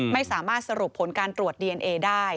ไม่สามารถสรุปผลการตรวจดีเอนเอได้